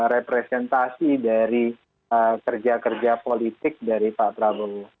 representasi dari kerja kerja politik dari pak prabowo